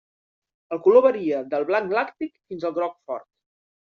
El color varia del blanc làctic fins al groc fort.